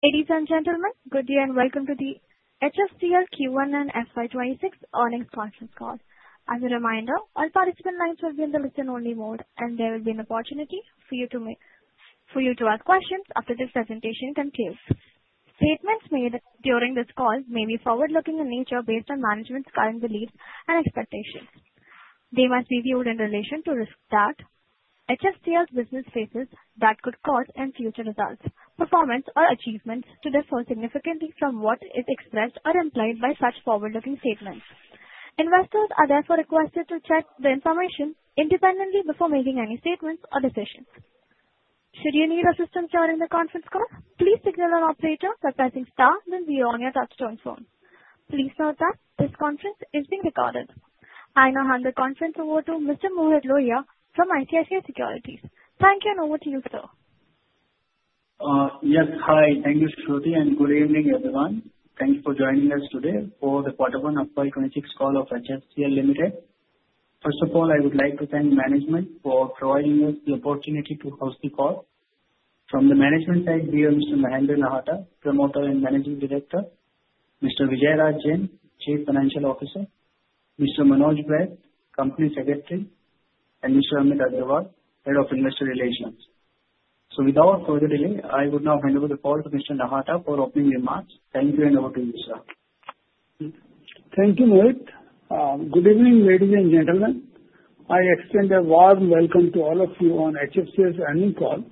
Ladies and gentlemen, good day and Welcome to the HFCL Q1 and FY 2026 earnings conference call. As a reminder, all participant lines will be in the listen only mode and there will be an opportunity for you to ask questions after this presentation concludes. Statements made during this call may be forward looking in nature based on management's firm beliefs and expectations. They must be viewed in relation to risk that HFCL's business faces that could cause any future results, performance or achievements to differ significantly from what is expressed or implied by such forward looking statements. Investors are therefore requested to check the information independently before making any statements or decisions. Should you need assistance during the conference call, please signal our operator by pressing star on your touch tone phone. Please note that this conference is being recorded. I now hand the conference over to Mr. Mohit Lohia from ICICI Securities. Thank you. And over to you Yes, hi. Thank you Shruti and good evening everyone. Thanks for joining us today for the quarter one Q1 FY 2026 call of HFCL Limited. First of all, I would like to thank management for providing us the opportunity to host the call. From the management side, we are Mr. Mahendra Nahata, Promoter and Managing Director, Mr. VR Jain, Chief Financial Officer, Mr. Manoj Baid, Company Secretary, and Mr. Amit Agarwal, Head of Investor Relations. Without further delay, I would now hand over the call to Mr. Nahata for opening remarks. Thank you. And over to you sir. Thank you Mohit. Good evening ladies and gentlemen. I extend a warm welcome to all of you on HFCL's earnings call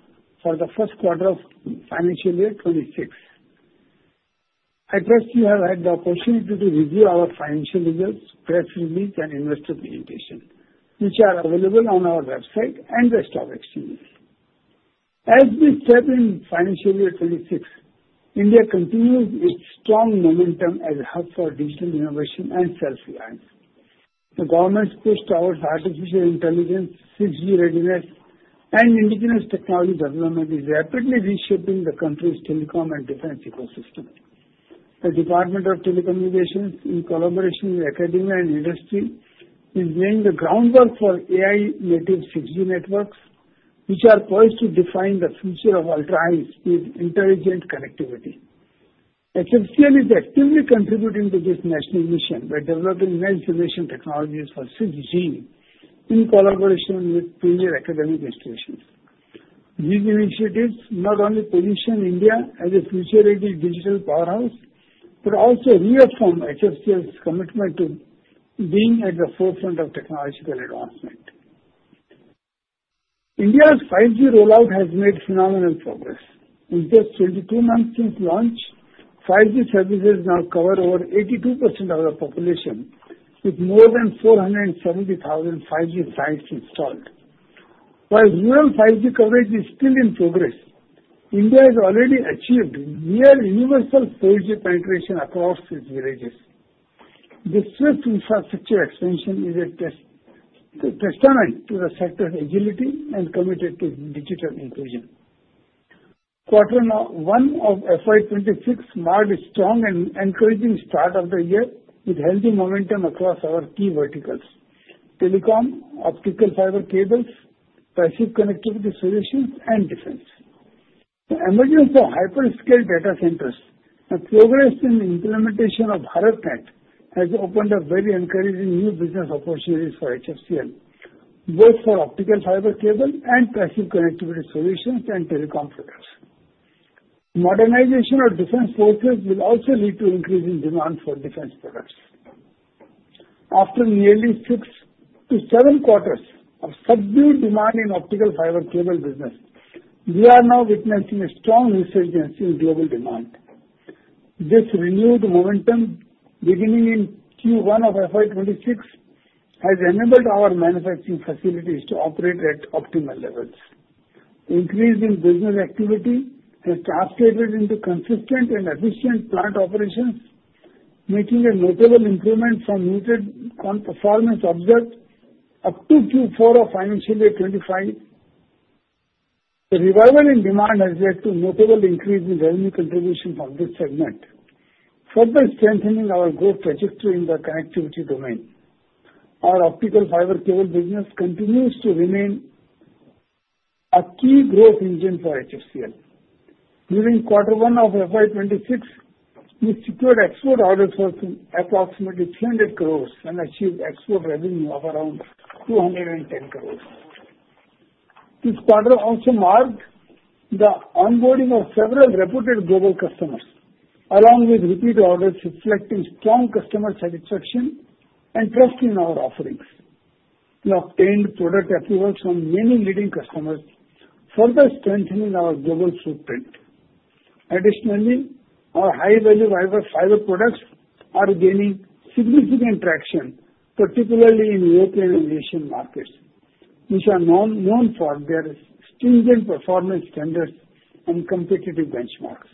for the first quarter of financial year 26. I trust you have had the opportunity to review our financial results, press release, and investor presentation which are available on our website and the stock exchanges. As we said in financial year 26, India continues its strong momentum as a hub for digital innovation and self-reliance. The government push on artificial intelligence, 6G readiness, and indigenous technology development is rapidly reshaping the country's telecom and defense ecosystem. The Department of Telecommunications, in collaboration with academia and industry, is laying the groundwork for AI-native 6G networks which are poised to define the future of ultra high-speed intelligent connectivity. HFCL is actively contributing to this national mission by developing information technologies for 6G in collaboration with premier academic institutions. These initiatives not only position India as a futuristic digital powerhouse, but also reaffirm HFCL's commitment to being at the forefront of technological advancement. India's 5G rollout has made phenomenal progress in just 22 months since launch. 5G services now cover over 82% of the population with more than 470,000 5G base stations installed. While 5G coverage is still in progress, India has already achieved near universal 4G penetration, including villages. This swift infrastructure extension is a testament to the sector's agility and commitment to digital inclusion. Quarter one of FY 2026 marked a strong and encouraging start of the year with healthy momentum across our key verticals: Telecom, optical fiber cables, passive connectivity solutions, and defense. Emergence of hyperscale data centers and the progress in the implementation of Bharat has opened up very encouraging new business opportunities for HFCL both for optical fiber cable and passive connectivity solutions and telecom players. Modernization of defense software will also lead to increasing demand for defense products. After nearly six to seven quarters of subdued demand in optical fiber cable business, we are now witnessing a strong resurgence in global demand. This renewed momentum beginning in Q1 of FY 2026 has enabled our manufacturing facilities to operate at optimal levels. Increasing business activity has translated into consistent and efficient plant operations, making a notable improvement from muted performance observed up to Q4 of financial year 2025. The revival in demand has led to a notable increase in revenue contribution from this segment, further strengthening our growth. Adjusted in the connectivity domain, our optical fiber cable business continues to remain a key growth engine for HFCL. During quarter one of FY 2026, we secured extra orders for approximately 300 crore and achieved extra revenue of around 210 crore. This quarter also marked the onboarding of several reputed global customers along with repeat orders, reflecting strong customer satisfaction and trust in our offerings. We obtained product achievements from many leading customers, further strengthening our global footprint. Additionally, our high value fiber products are gaining significant traction, particularly in European and Asian markets, which are known for their stringent performance standards and competitive benchmarks.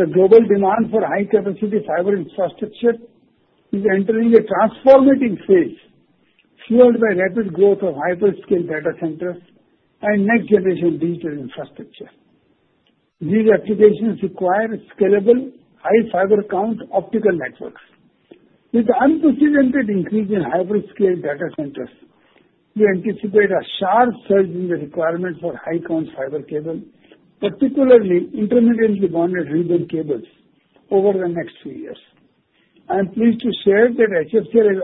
The global demand for high capacity fiber infrastructure is entering a transformative phase fueled by rapid growth of hyperscale data centers and next generation digital infrastructure. These applications require scalable high fiber count optical networks. With unprecedented increase in hyperscale data centers, we anticipate a sharp surge in the requirements for high count fiber cable, particularly intermediately bonded ribbon cables over the next few years. I am pleased to share that HFCL has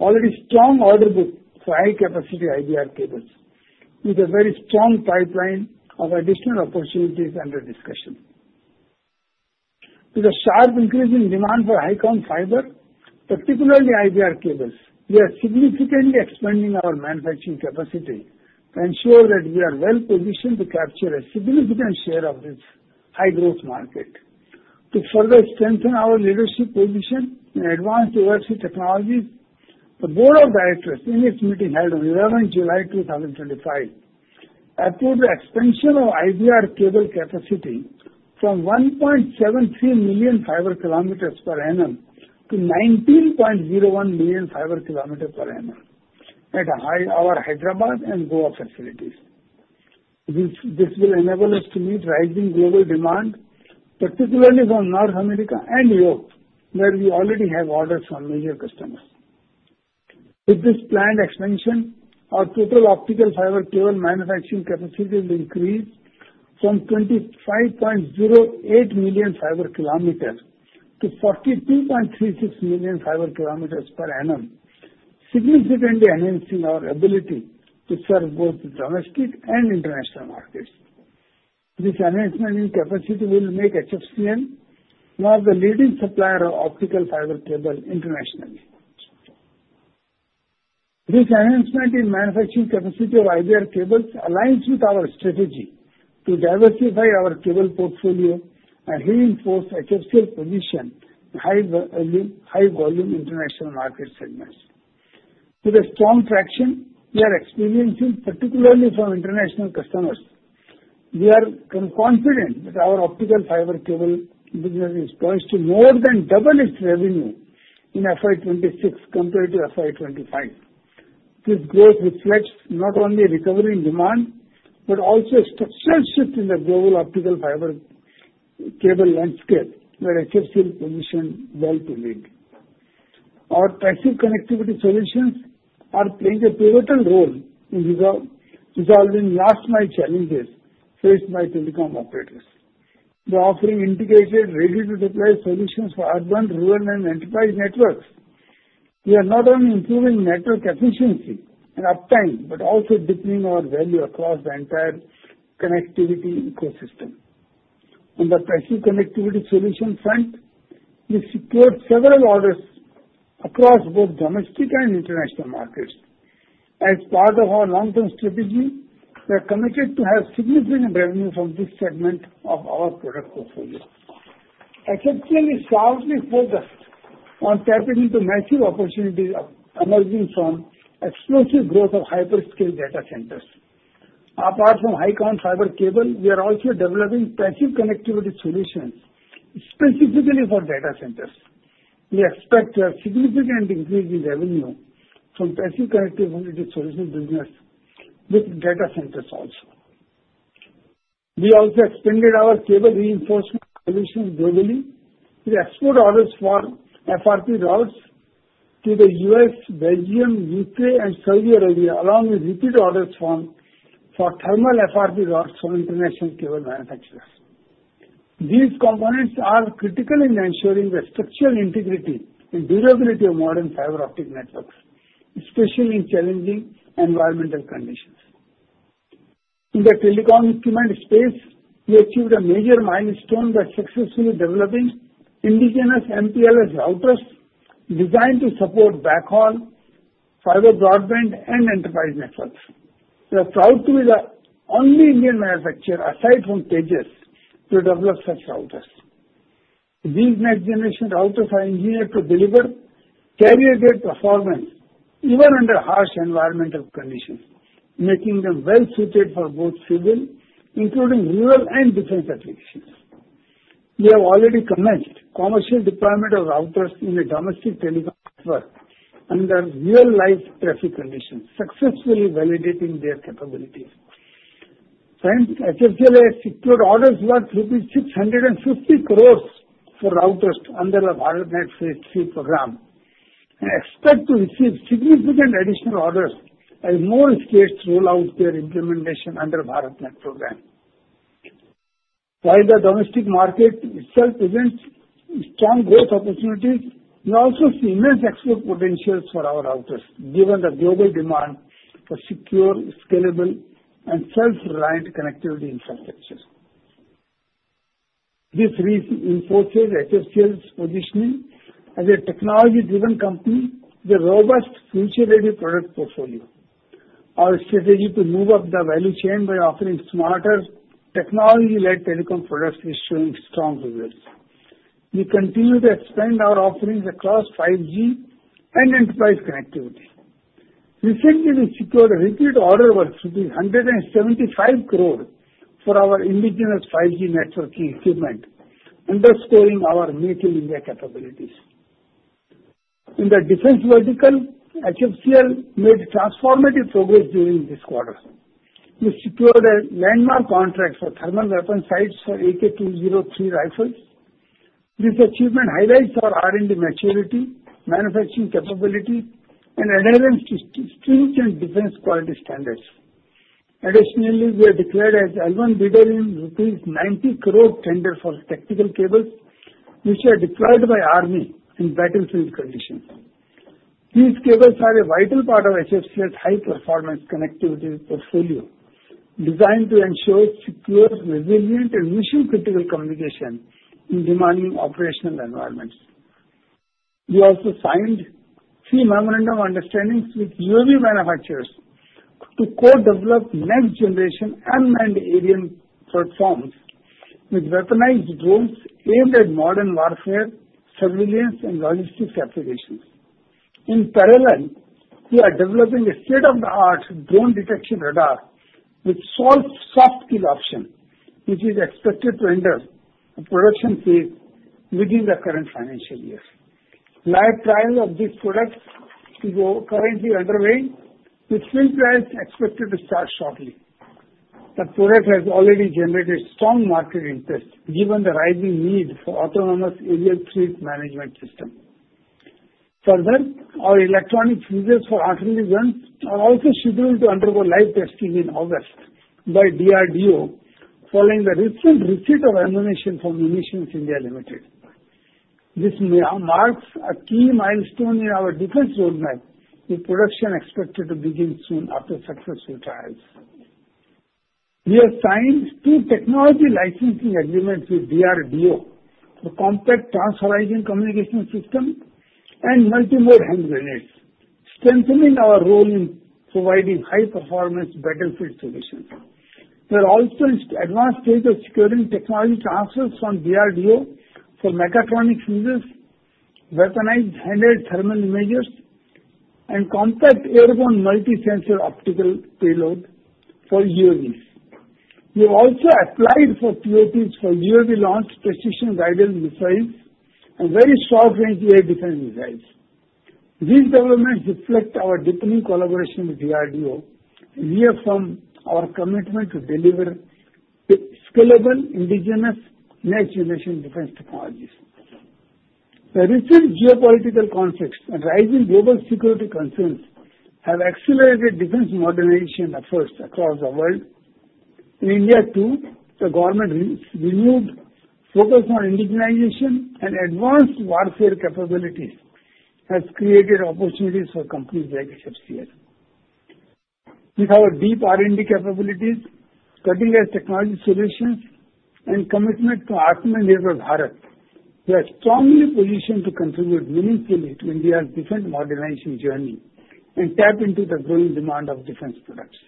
already strong order book for high capacity IBR cables with a very strong pipeline of additional opportunities under discussion. With a sharp increase in demand for icon fiber, particularly IBR cables, we are significantly expanding our manufacturing capacity to ensure that we are well positioned to capture a significant share of this high growth market to further strengthen our leadership position and advance diversity technologies. The Board of Directors in this meeting held in July 2025 approved expansion of IBR cable capacity from 1.73 million fiber kilometers per annum to 19.01 million fiber kilometers per annum at our Hyderabad and Goa facilities. This will enable us to meet rising global demand, particularly from North America and Europe where we already have orders from major customers. With this planned expansion, our total optical fiber cable manufacturing capacity will increase from 25.08 million fiber kilometers to 43.36 million fiber kilometers per annum, significantly enhancing our ability to serve both domestic and international markets. This enhancement in capacity will make HFCL one of the leading suppliers of optical fiber cables internationally. This enhancement in manufacturing capacity of IBR cables aligns with our strategy to diversify our cable portfolio and reinforce our position in high volume international market segments. With the strong traction we are experiencing, particularly from international customers, we are confident that our optical fiber cable business is poised to more than double its revenue in FY 2026 compared to FY 2025. This growth reflects not only recovery in demand but also a success rate in the global optical fiber cable landscape. HFCL is positioned well to link our passive connectivity solutions, which are playing a pivotal role in resolving last mile challenges faced by telecom operators. The offering includes integrated ready to deploy solutions for urban, rural, and enterprise networks. We are not only improving network efficiency and uptime but also depending on value across the entire connectivity ecosystem. On the passive connectivity solution front, we secured several orders across both domestic and international markets. As part of our long-term strategy, we're committed to have significant revenue from this segment of our product portfolio. HFCL is strongly focused on tapping the massive opportunities emerging from explosive growth of hyperscale data centers. Apart from icon fiber cable, we are also developing passive connectivity solutions specifically for data centers. We expect to have significant increase in revenue from passive connectivity solutions business with data centers also, we also extended our cable reinforcement commission globally. We exclude orders from FRP rods to the U.S., Belgium, Ukraine, and Saudi Arabia along with repeat orders for thermal FRP rods for international cable manufacturers. These components are critical in ensuring the structural integrity and durability of modern fiber optic networks, especially in challenging environmental conditions in the telecom equipment space. HFCL achieved a major milestone by successfully developing indigenous MPLS routers designed to support backbone for broadband and enterprise networks. The company is the only Indian manufacturer aside from Tejas to develop such routers. These next generation routers are engineered to deliver carrier-grade performance even under harsh environmental conditions, making them well suited for both civil including rural and defense applications. We have already commenced commercial deployment of routers in a domestic market under real life traffic conditions, successfully validating their capabilities. HFCL has secured orders worth rupees 650 crore for routers under the Bharat Safe Program and expect to receive significant additional orders as more states realize their implementation under Bharat program. While the domestic market itself presents strong growth opportunities, we also see immense export potentials for our routers given the global demand for secure, scalable, and self-reliant connectivity infrastructure. This reinforces HFCL's positioning as a technology-driven company. The robust future-ready product portfolio and our strategy to move up the value chain by offering smarter technology-led telecom products is showing strong results. We continue to expand our offerings across 5G and enterprise connectivity. Recently, we secured a repeat order of 175 crore for our indigenous 5G networking segment, underscoring our native India capabilities in the defense vertical. HFCL made transformative progress during this quarter. We secured a landmark contract for thermal weapon sights for AK-203 rifles. This achievement highlights our R&D maturity, manufacturing capability, and adherence to stringent defense quality standards. Additionally, we are declared as L1 in a rupees 90 crore tender for tactical cables which are deployed by army in battlefield conditions. These cables are a vital part of HFCL's high performance connectivity portfolio designed to ensure secure, resilient, and mission critical communication in demanding operational environments. We also signed three memorandum of understandings with UAV manufacturers to co-develop next generation unmanned aerial platforms with weaponized drones aimed at modern warfare, surveillance, and logistics applications. In parallel, we are developing a state-of-the-art blown detection radar with soft kill option which is expected to enter production phase within the current financial year. Trials of these products are currently underway with field plans expected to start shortly. The product has already generated strong market interest given the rising need for autonomous aerial fleet management systems. Further, our electronic fuzes for artillery guns are also scheduled to undergo live testing in August by Defence Research and Development Organisation (DRDO) following the recent receipt of ammunition from Munitions India Limited. This marks a key milestone in our defense roadmap with production expected to begin soon after successful trials. We have signed three technology licensing agreements with DRDO, a compact Trans Horizon communication system, and multimode hand grenades, strengthening our role in providing high performance battlefield solutions. There also is advanced stage of securing technology transfers from DRDO for mechatronic fuzes, weaponized handheld thermal imagers, and contact airborne multi-sensor optical payload for UAV. We also applied for QATs for UAV, launched precision guidance missiles, and very short range air defense designs. These developments reflect our deepening collaboration with DRDO and reaffirm our commitment to deliver scalable indigenous next generation defense technologies. The recent geopolitical conflicts and rising global security concerns have accelerated defense modernization efforts across the world. In India too, the government’s renewed focus on indigenization and advanced warfare capabilities has created opportunities for companies like ours. Our deep R&D capabilities, cutting edge technology solutions, and commitment to the requirements of Bharat mean we are strongly positioned to contribute meaningfully in the defense modernization journey and tap into the growing demand for defense products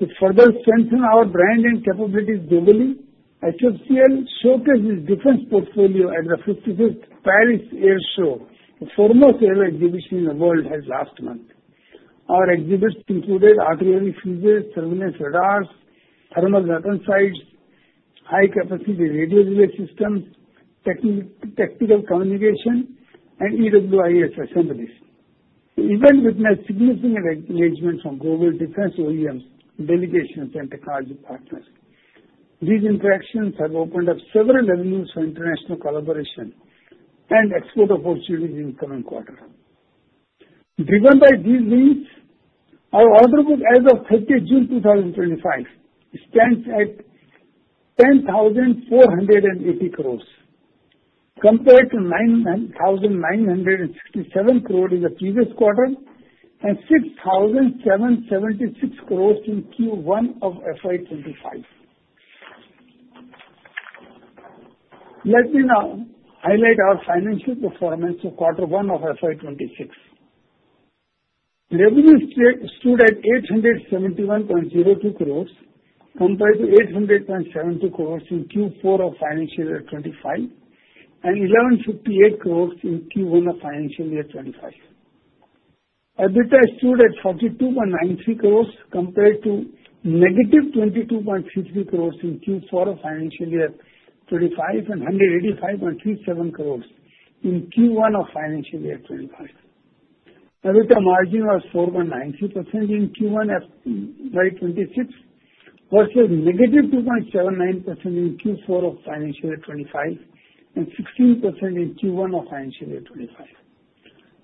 to further strengthen our brand and capabilities globally. HFCL showcased its defense portfolio at the 55th Paris Air Show, the foremost air exhibition in the world, held last month. Our exhibits included artillery seizures, surveillance radars, thermal weapon sights, high-capacity radio relay systems, tactical communication and EWIS facilities, even witness significant engagement from global defense OEMs, delegations, and technology partners. These interactions have opened up several avenues for international collaboration and export opportunities in the coming quarter. Driven by these needs, our order book as of June 30, 2025, stands at 10,480 crore compared to 9,967 crore in the previous quarter and 6,776 crore in Q1 of FY 2025. Let me now highlight our financial performance. In Q1 of FY 2026, revenue stood at INR 871.02 crore compared to 870 crore in Q4 of FY 2025 and 1,158 crore in Q1 of FY 2025. EBITDA stood at INR 42.93 crore compared to -22.33 crore in Q4 of FY 2025 and 185.37 crore in Q1 of FY 2025. EBITDA margin was 4.93% in Q1 of FY 2026, - 2.79% in Q4 of FY 2025, and 16% in Q1 of FY 2025.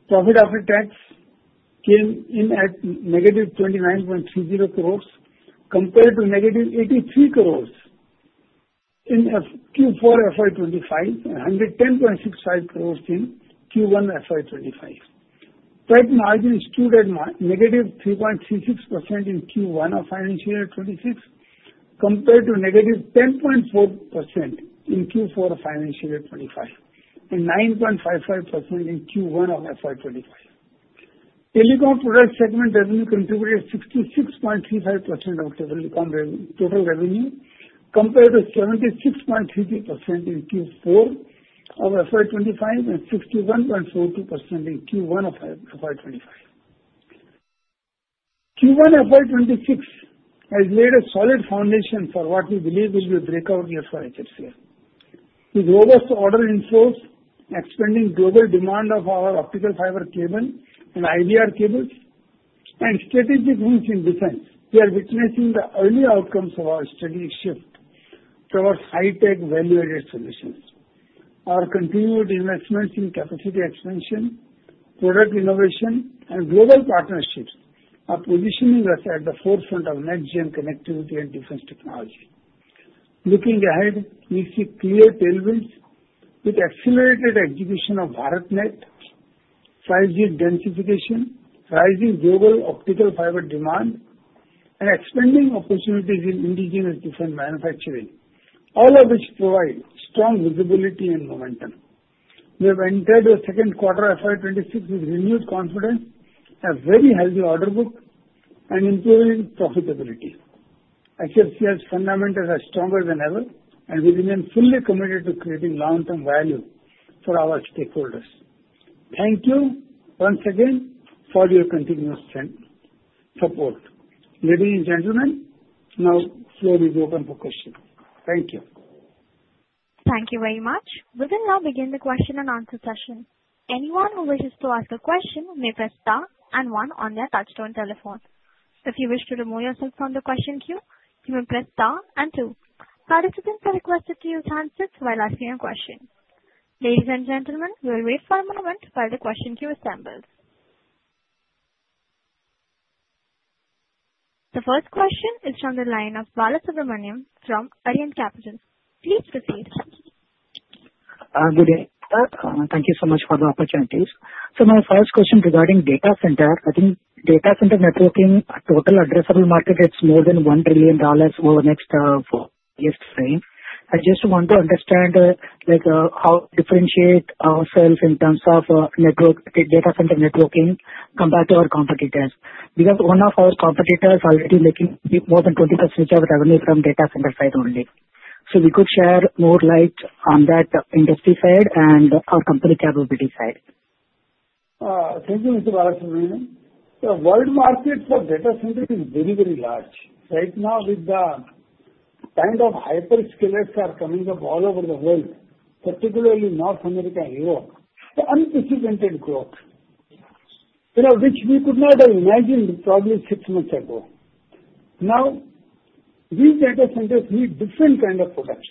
Profit after tax came in at ne -29.30 crore compared to -83 crore in Q4 FY 2025 and 110.65 crore in Q1 FY 2025. Freight margin skewed at -3.36% in Q1 of FY 2026 compared to -10.4% in Q4 of FY 2025 and 9.55% in Q1 of FY 2025. Telecom product segment revenue contributed 66.35% of total revenue compared to 76.33% in Q4 of FY 2025 and 61.42% in Q1 of FY 2025. Q1 FY 2026 has laid a solid foundation for what we believe will be a breakout year for HFCL. With order inflows, expanding global demand of our optical fiber cables and IBR cables, and strategic wins in defense, we are witnessing the early outcomes of our strategic high-tech value-added solutions. Our continued investments in capacity expansion, product innovation, and global partnerships are positioning us at the forefront of next-gen connectivity and defense technology. Looking ahead, we see clear tailwinds with accelerated execution of 5G densification, rising optical fiber cable demand, and expanding opportunities in indigenous design manufacturing, all of which provide strong visibility and momentum. We have entered the second quarter of FY 2026 with renewed confidence, a very healthy order book, and engaging profitability. HFCL's fundamentals are stronger than ever and we remain fully committed to creating long-term value for our stakeholders. Thank you once again for your continuous support. Ladies and gentlemen, now the floor is open for questions. Thank you, thank you very much. We will now begin the question and answer session. Anyone who wishes to ask a question may press star and one on their touch-tone telephone. If you wish to remove yourself from the question queue, you may press star and two. Participants are requested to use handsets while asking a question. Ladies and gentlemen, we'll wait five moments while the question queue is assembled. The first question is from the line of Balasubramaniam from Arinant Capital. Please proceed. Good day. Thank you so much for the opportunities. My first question regarding data center, I think data center networking total addressable market, it's more than $1 trillion over next, yes, frame. I just want to understand how we differentiate ourselves in terms of network data center networking compared to our competitors because one of our competitors already making more than 20% of revenue from data center side only, so if you could share more light on that industry side and our company capability side. Thank you. The world market for data centric is very, very large right now with the kind of hyperscalers coming from all over the world, particularly North America and Europe. The unprecedented growth, you know, which we could not have imagined probably six months ago. Now these data centers need different kind of products,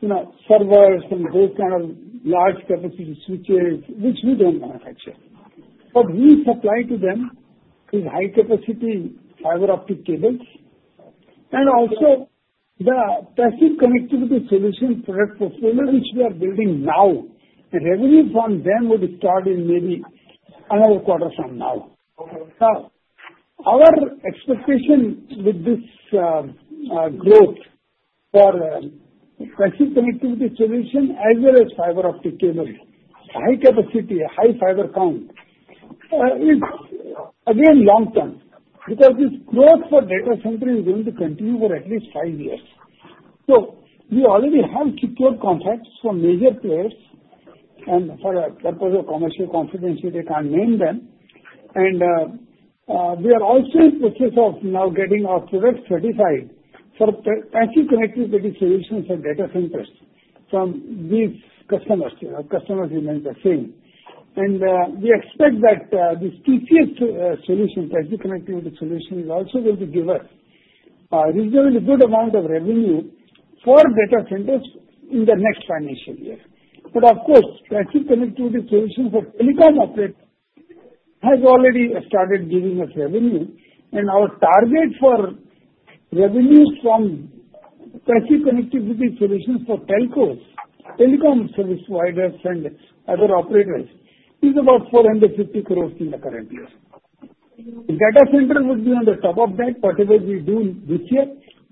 you know, servers and those kind of large capacity switches which we don't manufacture, but we supply to them in high capacity fiber optic cabins and also the passive connectivity solution product procedure which we are building now. Revenue from them would start in maybe another quarter from now. Our expectation with this growth for connectivity solution as well as fiber optic channel high capacity, high fiber count is again long term because this growth for data center is going to continue for at least five years. We already have secured contracts for major players and for the purpose of commercial confidence, we can't name them. We are also in process of now getting our products certified for passive connectivity solutions at data centers from these customers. Customers remain the same and we expect that this TCS solution, pricey connectivity solution, is also going to give us reasonably good amount of revenue for data centers in the next financial year. Of course, traffic connectivity solution for telecom asset has already started giving us revenue. Our targets for revenue from passive connectivity solutions for telcos, telecom service providers, and other operators is about 450 crores in the current year. The data center would be on the top of that, whatever we do this year.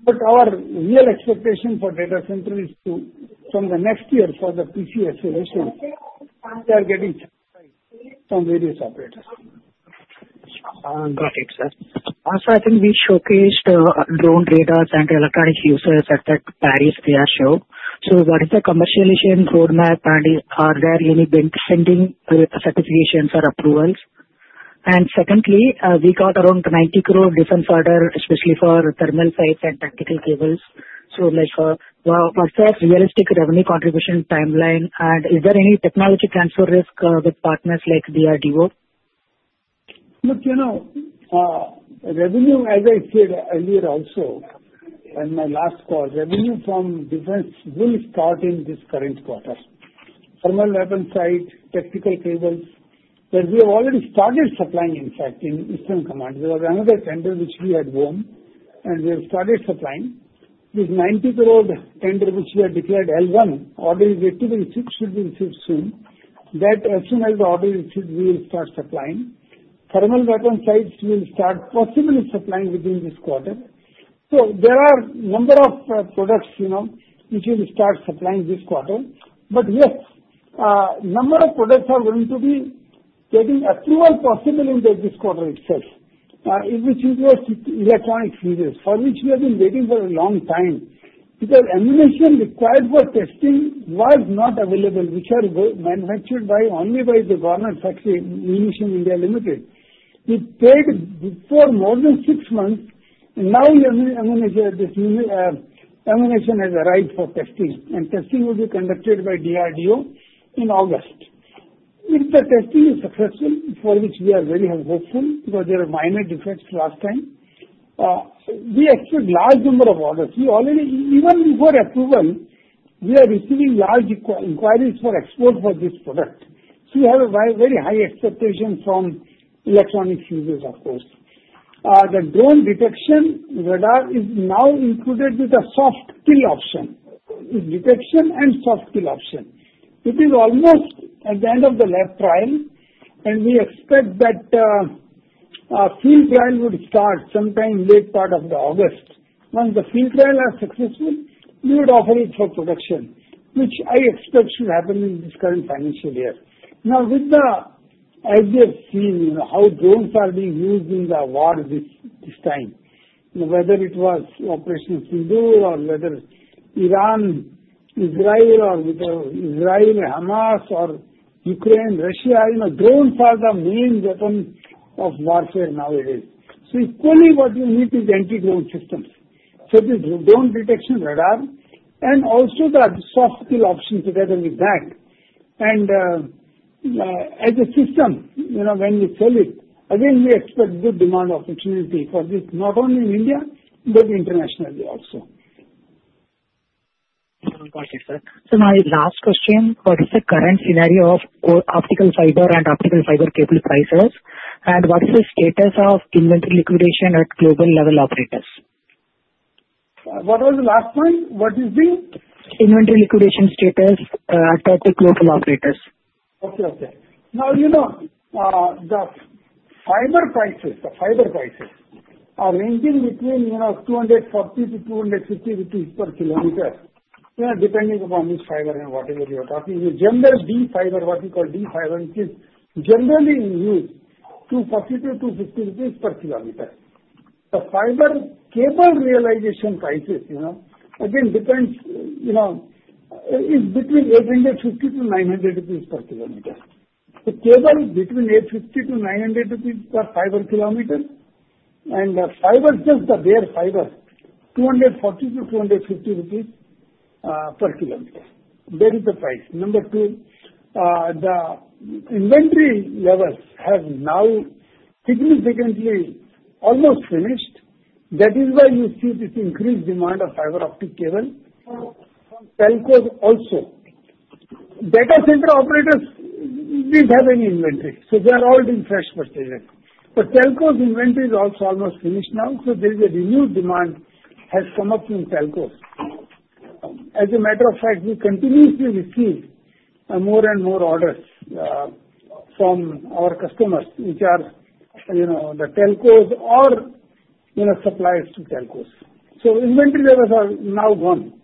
Our real expectation for data center is from the next year for the [pscl] issuance they are getting from various operators. I think we showcased drone data center electronic users at that Paris TIA show. What is the commercialization roadmap and are there any pending certifications or approvals? Secondly, we got around 90 crore defense order, especially for thermal weapon sights and tactical cables. Realistic revenue contribution timeline, and is there any technology transfer risk with partners like DRDO? Look, you know, revenue as I said earlier also on my last call, revenue from defense will start in this current quarter. Thermal weapon sights, tactical cables that we have already started supplying. In fact, in Eastern Command there is another tender which we had won and we have started supplying this 90 crore tender which we had declared L1 ordering. Eighty-three chips should be ensured soon that as soon as the audiences will start supplying, thermal weapon sights will start possibly supplying within this quarter. There are a number of products, you know, which will start supplying this quarter. Yes, a number of products are going to be getting a few, one possible limited this quarter itself, electronic changes for which we have been waiting for a long time because emulation required for testing was not available, which are manufactured only by the government. Bharat Sanchar Nigam Limited, it for more than six months. Termination has arrived for testing and testing will be conducted by DRDO in August. If the testing is successful, for which we are really hopeful because there were minor defects last time, we extracted large number of orders, we already even were approved. We are receiving large inquiries for export for this product. You have a very high expectation from electronics users. Of course, the drone detection radar is now included with the soft kill option, detection and soft kill option. It is almost at the end of the left trial and we expect that field trial would start sometime late part of August. When the field trial is successful, you would offer it for production, which I expect should happen in this current financial year. As you've seen, you know how drones are being used in the war this time, whether it was operation or whether Iran, Israel or Israel, Hamas or Ukraine, Russia, you know, drones are the main weapon of warfare nowadays. Equally, what you need is anti-drone systems such as drone detection radar and also the soft kill options rather than the bag. As a system, you know, when you fill it again, you expect good demand opportunity for this not only in India but internationally also. Okay sir, so my last question. What is the current scenario for optical fiber and optical fiber cable prices and what is the status of inventory liquidation at global level operators? What was the last time? What is the inventory liquidation status at the global operators? Okay, okay. Now you know the fiber prices. The fiber prices are ranging between, you know, 240-250 rupees per km. Yeah. Depending upon this fiber and whatever you're copying, you gender D5 or what we call D5, or it is generally used to positive to 50 degrees per km. The fiber cable realization crisis, you know, again depends, you know, is between 850-900 rupees per km. The cable is between 850-900 rupees per fiber kilometer. And fiber gives the rare fiber 240-250 rupees per kilometer. That is the price number three. The inventory levels have now significantly almost finished. That is why you see this increased demand of fiber optic cables. Also, data center operators didn't have any inventory. They are all doing fresh processing. Telco's inventory is also almost finished now. There is a renewed demand has come up from Telco. As a matter of fact, we continuously receive more and more orders from our customers, which are, you know, the telcos or, you know, suppliers to telcos. Inventory levels are now gone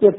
Got it.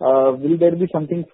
Thank you.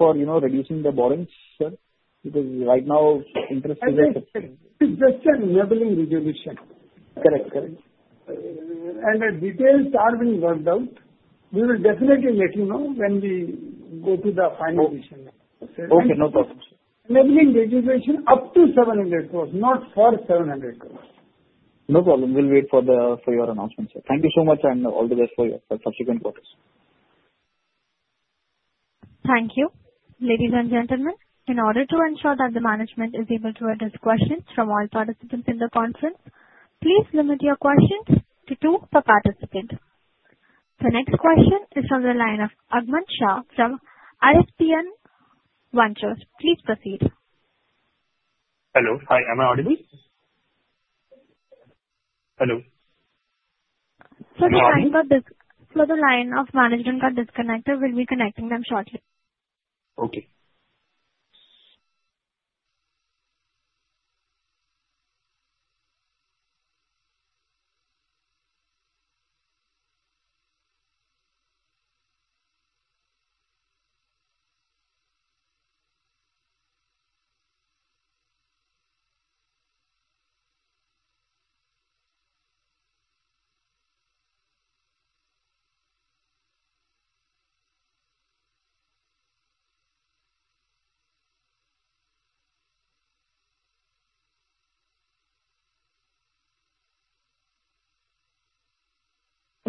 Okay.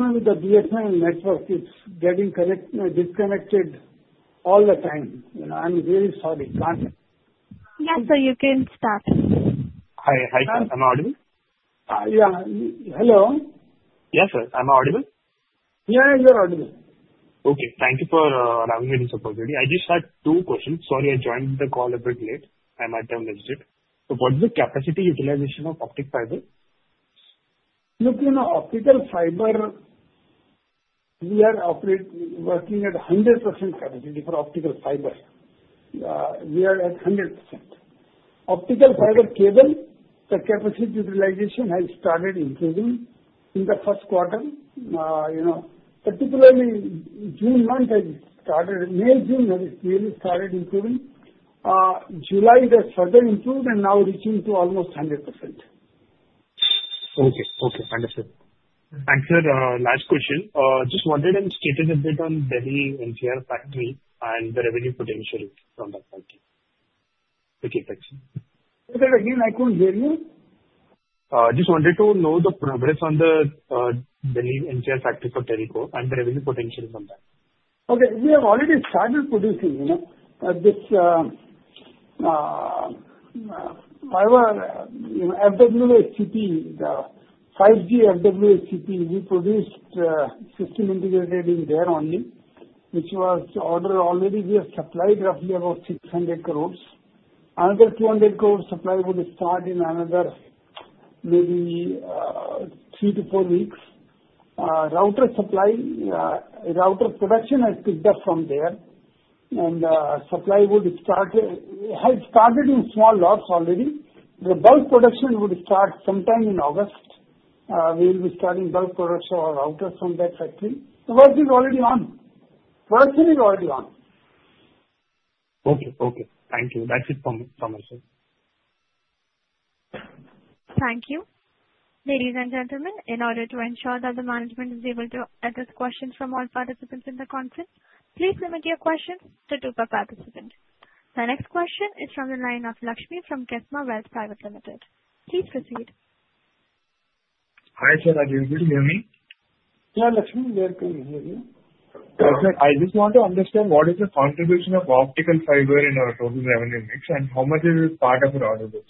With the BFI network, it's getting connected and disconnected all the time, you know. I'm really sorry. Yes sir, you can start. Hi. I'm audible. Hi. Yeah. Hello. Yes sir. Am I audible? Yeah, you're audible. Okay. Thank you for having me this opportunity. I just had two questions. Sorry, I joined the call a bit late. I might have missed it. What's the capacity utilization of optical fiber? We are operating, working at 100% capability for optical fiber. We are at 100% optical fiber cable. The capacity utilization has started increasing in the first quarter, particularly June month, and started May. June started improving. July the sudden improve and now reaching to almost 100%. Okay. Thanks for last question. Just one day and station is based on Delhi NCR currently and the revenue potential from that. Okay, Again I couldn't hear you. Just wanted to know the progress on the Delhi NCR factory for terror and the revenue potential from that. Okay. We have already started producing. You know this, you know MW. The 5G FWT. We produced 16 integrated in there only which was ordered already. We have supplied roughly about 600 crore. Another 200 crore supply will start in another maybe three to four weeks. Router supply is out of production, has picked up from there, and supply would start. We had started in small lots already. The bulk production would start sometime in August. We will be starting bulk corridor. So router from that factory. The version is already on. Version is already on. Okay. Okay, thank you. That's it for myself. Thank you. Ladies and gentlemen, in order to ensure that the management is able to address questions from all participants in the conference, please limit your question to two participants. The next question is from the line of Lakshmi from Kesma Wealth Private Limited. Please proceed. Hi sir, I just want to understand what is the contribution of optical fiber in our total revenue mix and how much it is part of your order base.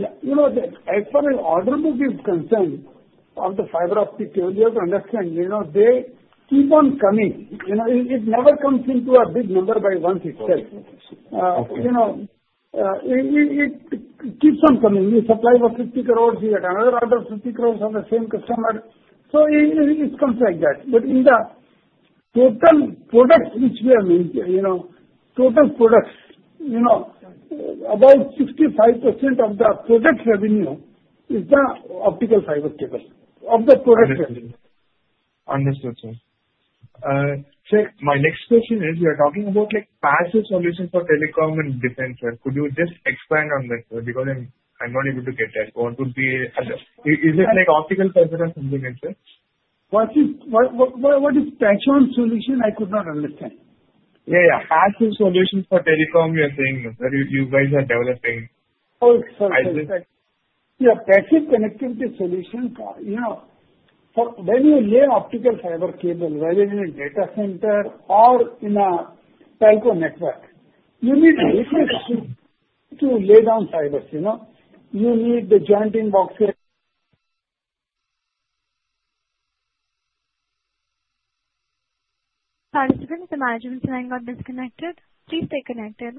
As far as order this is concerned on the optical fiber, you have to understand they keep on coming. It never comes into a big number at once itself. It keeps on coming. We supply for 50 crore here, another order 50 crore on the same customer. It comes like that. In the capital products which we are making, total products, about 65% of the product revenue is the optical fiber cable of the product. Understood, sir. My next question is you're talking about like passive solution for telecom and defense. Could you just expand on that? Because I'm not able to get that. What would be. Is it like optical or something like that? What is. What is passive solution? I could not understand. Yeah, yeah. Passive solution for telecom. You're saying you guys are developing. Oh, sorry. Yeah. Passive connectivity solution. For when you lay optical fiber cable, whether in a data center or in a telco network, you need refresh to lay down fibers. You need the joint inbox here. If the manageable sign got disconnected, please stay connected.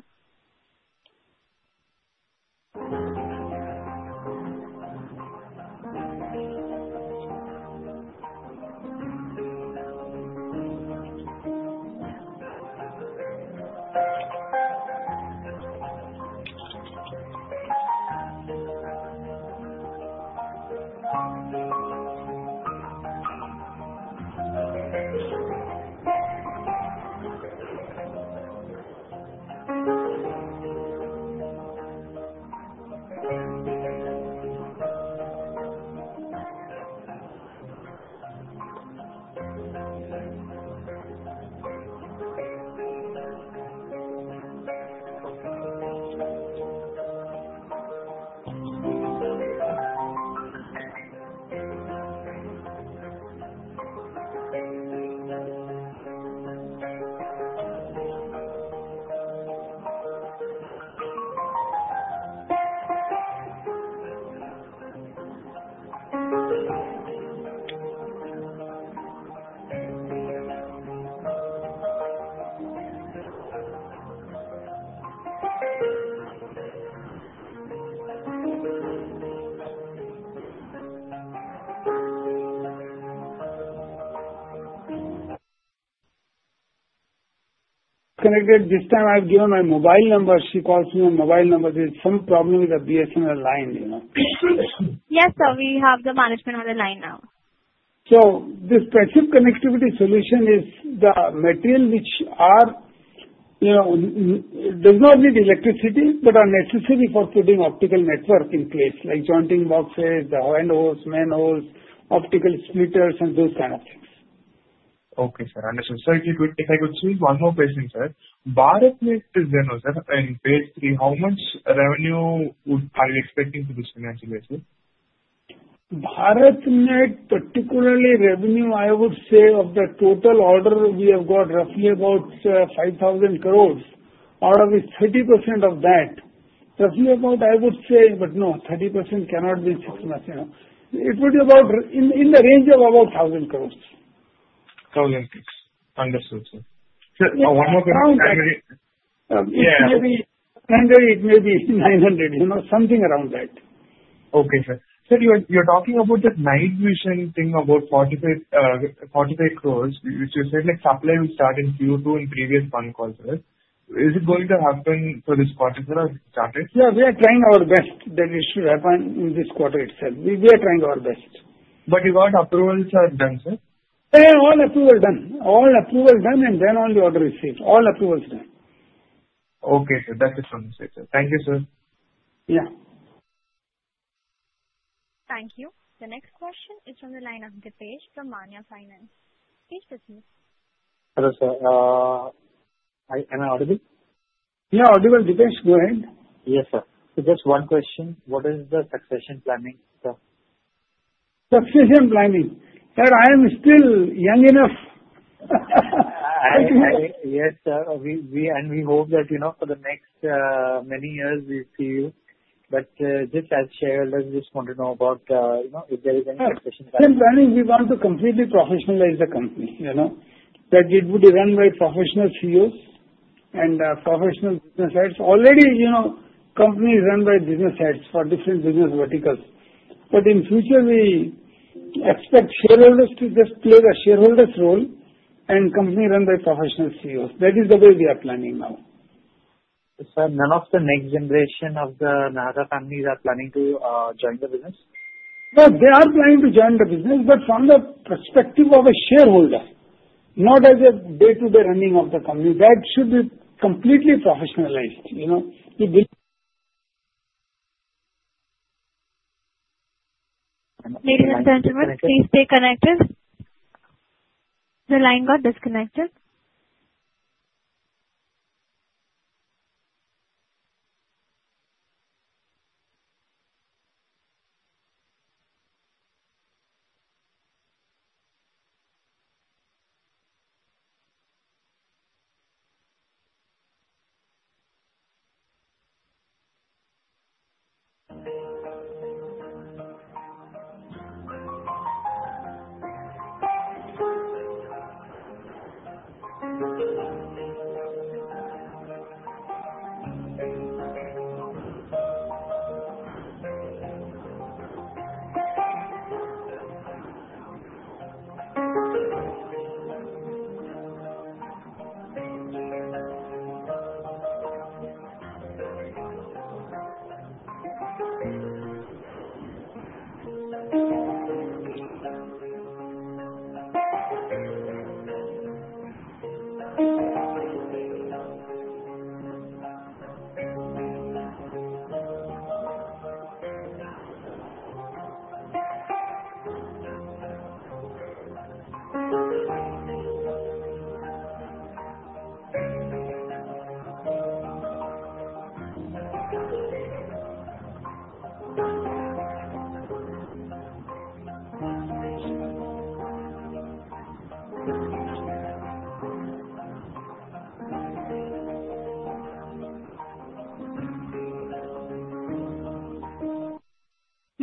Connected. This time I give my mobile number. She calls me on my mobile number. There's some problem with the BSNL online, you know. Yes, sir, we have the management on the line now. This passive connectivity solution is the material which does not need electricity but is necessary for keeping the optical network in place, like jointing boxes, the wind holes, manholes, optical splitters, and those kinds of things. Okay, sir. If I could see one more question, sir. Basically, how much revenue are you expecting for this financial estimate? Particularly revenue, I would say of the total order. We have got roughly about 5,000 crores, out of which about 30% of that. Here, I would say, but no, 30% cannot be. It would be about in the range of about 1,000 crores. Maybe it may be 900 crores, you know, something around that. Okay, sir. You're talking about the night vision thing, about 45 crores, which you said supply will start in Q2 in previous one quarter. Is it going to happen for this particular quarter? Yeah. We are trying our best that it should happen in this quarter itself. We are trying our best. You got approvals done, sir? All approvals done. All approvals done. And then all the other receipts. All approvals done. Okay, sir. That's it from the sector. Thank you, sir. Yeah. Thank you. The next question is from the line of Deepesh from Manya Finance. Am I audible? Yeah, audible. Right. Yes, sir. Just one question. What is the succession planning? Succession planning. That I am still young enough. Yes, we hope that you know for the next many years. We feel, just as shareholders, just want to know about if there is any. We want to completely professionalize the company. You know that it would run by professional CEOs and professional business heads already. You know, company is run by business heads for different business verticals. In future, we expect shareholders to just close a shareholders role and company run by professional CEOs. That is the way we are planning now. None of the next generation of the Nahata families are planning to join the business. They are planning to join the business, but from the perspective of a shareholder, not as a day-to-day running of the company. That should be completely professionalized, you know. Ladies and gentlemen, please stay connected. The line got disconnected.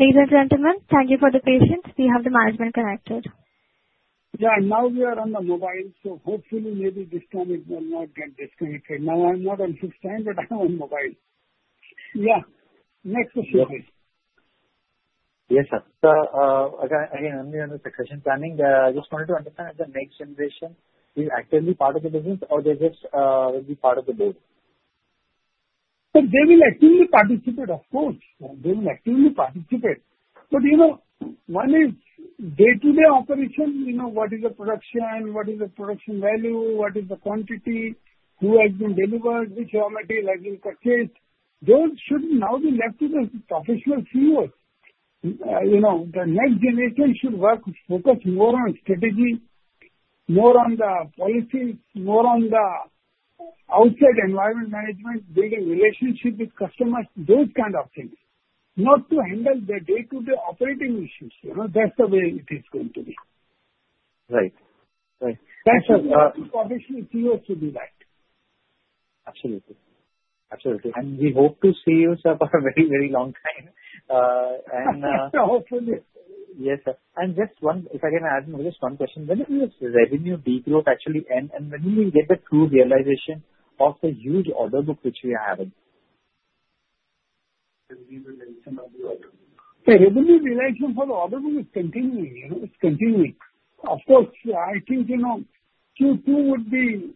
Ladies and gentlemen, thank you for the patience. We have the management connected. Yeah. Now you are on the mobile. Hopefully, maybe this time it will not get disconnected. Now I'm not on mobile. Next question. Yes, sir. Planning. I just wanted to understand, the next generation is actively part of the business or they just will be part of the business. They will actually participate. Of course, they will actively participate. One is day-to-day operations. What is the production, what is the production value, what is the quantity, who has been delivered which, how much is purchased. Those should now be left in a professional field. The next generation should work focusing more on strategy, more on the policy, more on the outside environment, management, building relationships with customers, those kinds of things, not to handle the day-to-day operating issues. That's the way it is going to be. Right? Right. Absolutely. Absolutely. We hope to see you, sir, for a very, very long time. Yes, sir. Just one, if I can add this one question. Revenue degrowth actually end and when will you get the true realization of the huge order book which we are having for the order book is continuing, you know, it's continuing. Of course, I think, you know, Q2 would be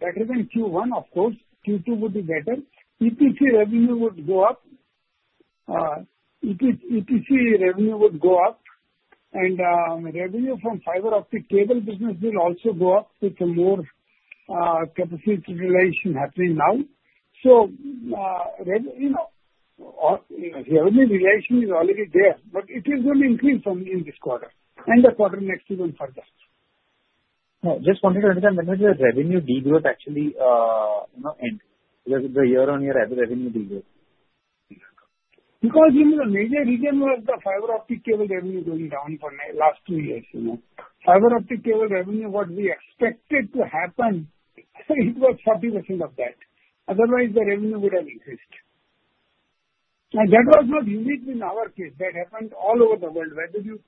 better than Q1. Of course, Q2 would be better. EPC revenue would go up, etc., revenue would go up, and revenue from optical fiber cable business will also go up. It's a more capacity utilization happening now. The original reaction is already there, but it is going to increase from in this quarter and the quarter next even further. Now just wanted to understand how much your revenue degrowth actually end because it's the year on year average revenue. Because. This is a major region where the optical fiber cable revenue going down for last three years, you know, optical fiber cable revenue, what we expected to happen. It was 40% of that. Otherwise, the revenue would have exist like that was not easy. In our case, that happened all over the world. Whether you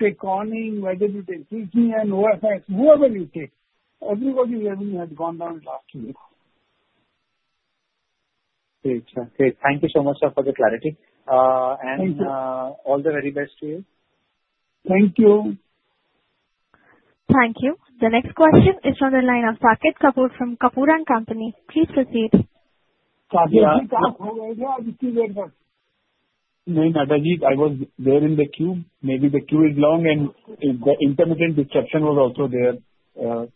take Corning, whether you take GCN, OFS, whoever you take, everybody revenue has gone down the last week. Okay, thank you so much sir for the clarity and all the very best to you. Thank you. Thank you. The next question is from the line of [Pankaj Kapoor from Kapoor and Company]. Please proceed. I was there in the queue. Maybe the queue is long and the intermittent discussion was also there. I don't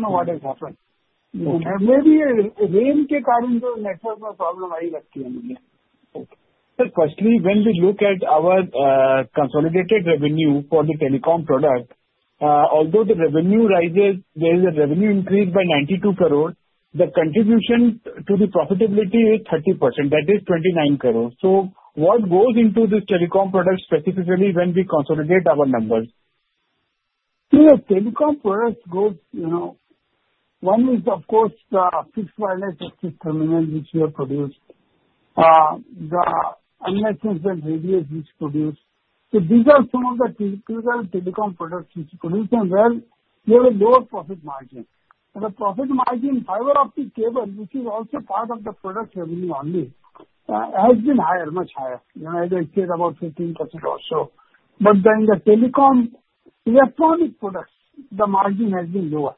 know what has happened. Firstly, when we look at our consolidated revenue for the telecom product, although the revenue rises, there is a revenue increase by 92 crore. The contribution to the profitability is 30%. That is 29 crore. What goes into the telecom product specifically when we consolidate our numbers, one is of course the fixed wireless terminal province, the animal which produce. These are some of the telecom products which produce. You have a lower profit margin. The profit margin fiber optic cable, which is also part of the product, only has been higher, much higher. United States about 15% or so. The telecom electronic products, the margin has been lower.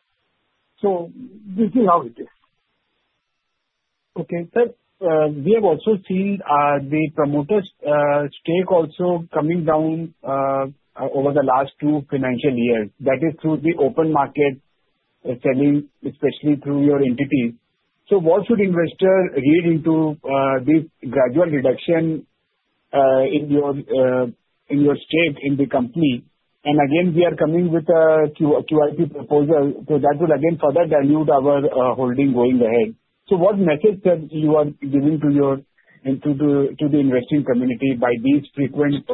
This is how it is. We have also seen the promoters' stake also coming down over the last two financial years. That is through the open market selling, especially through your entity. What should investor agree into the gradual reduction in your stake in the company? Again, we are coming with a QIP proposal. That will again further dilute our holding going ahead. What message are you giving to the investing community by these frequent—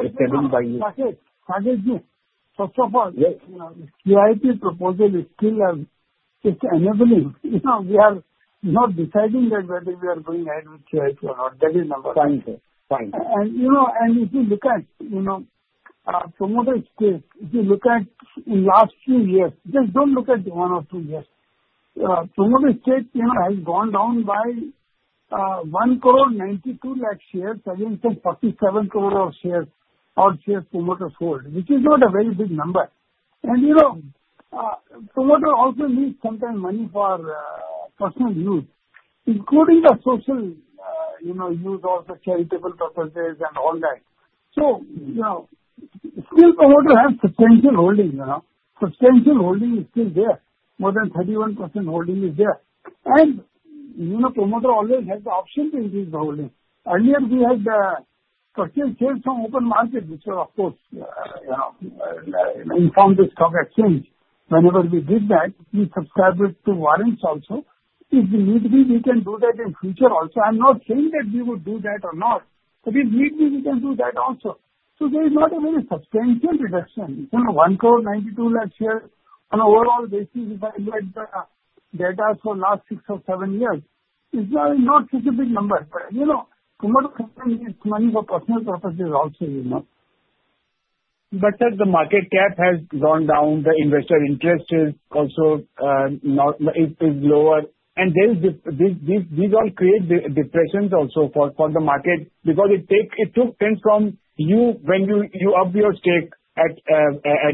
First of all, yes, the QIP proposal is still—it's enabling. We are not deciding that whether we are going ahead with the number. If you look at some other states, if you look at in last few years, just don't look at one or two years, promoter check has gone down by 1 crore 92 lakh share, 47 crore of share, all share promoters hold, which is not a very big number. Promoter also needs sometime money for personal use, including the social use also, charitable purposes and all that. Still promoter and substantial holding. Substantial holding is still there. More than 31% holding is there. Promoter always has the option to increase. Earlier we had the purchase chill from open market, which was of course informed the stock exchange. Whenever we did that, we subscribed to warrants also if we need to be. We can do that in future also. I'm not saying that we would do that or not. We can do that also. There is not a very substantial reduction. 1 crore 92 lakh here on overall basis data for last six or seven years is not such a big number. Money for personal purposes also. As the market cap has gone down, the investor interest is also lower, and these all create depressions for the market because it takes sense from you when you up your stake at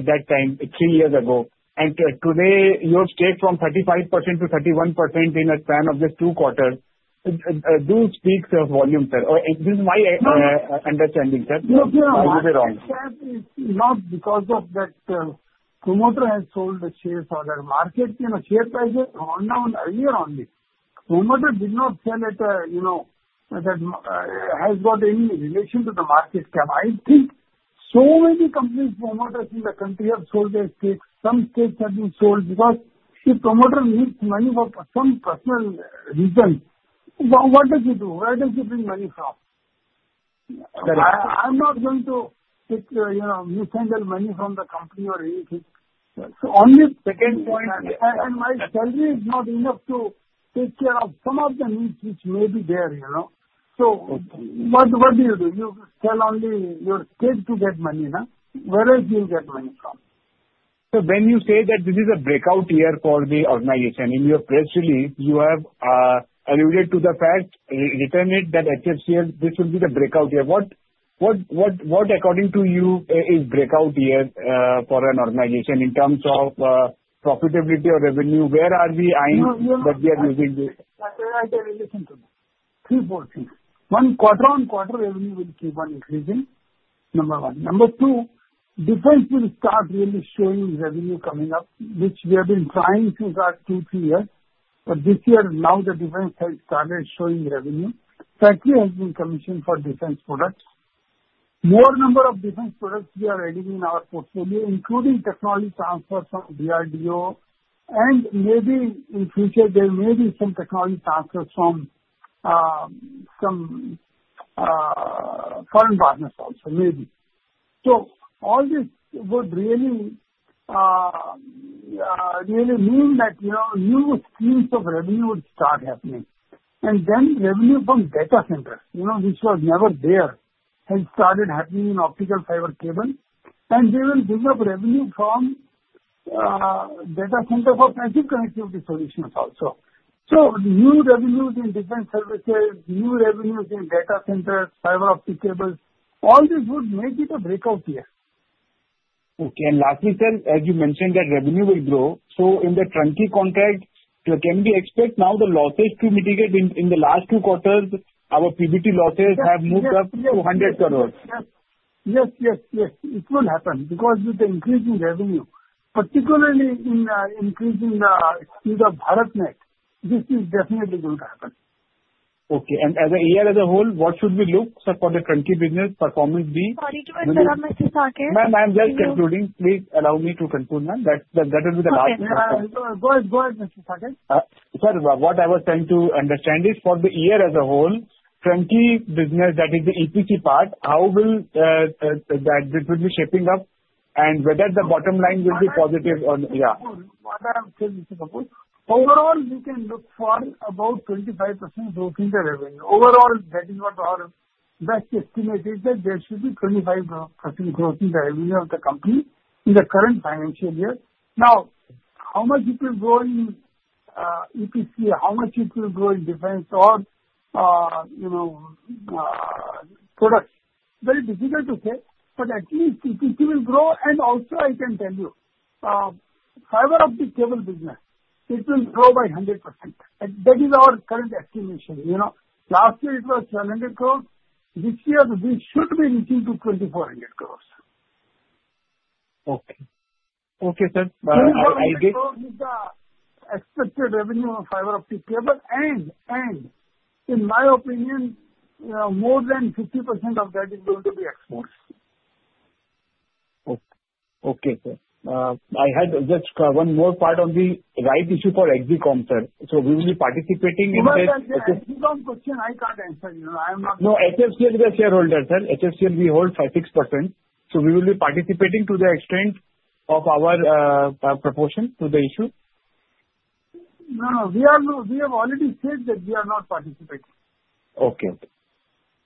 that time three years ago and today your stake from 35% to 31% in a span of just two quarters. Do speak volume, sir. This is my understanding, sir. Not because of that, promoter has sold the share for the market. Share prices cal down earlier on, they did not sell it. You know, has got any relation to the market scam? I think so many companies' promoters in the country have sold their cake. Some stakes have been sold because if promoter needs money for some personal reason, what does he do? Where does he bring money from? I'm not going to send the money from the company or anything. Only second point, and my salary is not enough to take care of some of the needs which may be there. You know, what do you do? You tell only your kids to get money now, whereas you'll get money from. When you say that this is a breakout year for the organization in your press release, you have alluded to the fact, written it, that HFCL, this will be the breakout year. What, what, what, what according to you is breakout year for an organization? In terms of profitability or revenue? Where are we? Quarter on quarter, revenue will keep on increasing, number one. Number two, defense will start really showing revenue coming up, which we have been trying if you got three years. This year, now the defense has started showing revenue. Factory has been commissioned for defense products. More number of different products we are adding in our portfolio, including technology transfer from DRDO. Maybe if we say, there may be some catholic task from some current partners also, maybe, so all this would really, really mean that new fields of revenue would start happening. Revenue pump data center, you know, which was never there, had started happening in optical fiber cable. They will develop revenue from data center for connectivity of the solutions also. New revenues in different services, new revenues in data center fiber optic cables. All this would make it a breakout year. Lastly, sir, as you mentioned that revenue will grow, in the trunky context, can we expect now the losses to mitigate? In the last two quarters, our PGT losses have moved up to 100 crores. Yes, yes, yes it will happen because you can see revenue particularly increasing. This is definitely going to happen. Okay. As a year as a whole, what should we look, sir, for the company business performance? Please allow me to conclude. What I was trying to understand is for the year as a whole, company business, that is the EPC part, how will that be shaping up and whether the bottom line will be positive? Yeah, Overall you can look for about 25% overall. That is what our best estimate is, that there should be 25% of the company in the current financial year. Now, how much you can bring in EPC, how much it will grow in defense or, you know, products, very difficult to say, but at least it will grow. Also, I can tell you fiber of the cable business, it will grow by 100%. That is our current estimation. You know, last year it was 700 crore. This year we should be reaching to 2,400 crore. Okay. Okay. Expected revenue of optical fiber cable. In my opinion, more than 50% of that is going to be exports. Okay. Okay. I had just one more part of the rights issue for Exicom, sir. So we will be participating? No, HFCL is a shareholder, HFCL, and we hold 36%. So we will be participating to the extent of our proportion to the issue. No, no, we are, no, we have already said that we are not participating. Okay,